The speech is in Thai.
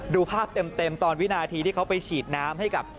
ดูภาพเต็มตอนวินาทีที่เขาไปฉีดน้ำให้กับ